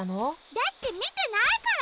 だってみてないから。